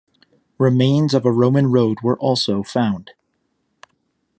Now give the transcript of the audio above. Remains of a Roman road were also found.